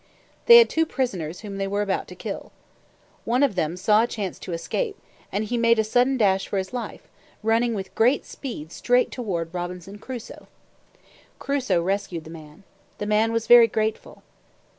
They had two prisoners whom they were about to kill. One of them saw a chance to escape, and he made a sudden dash for his life, running with great speed straight toward Robinson Crusoe. Crusoe rescued this man. The man was very grateful.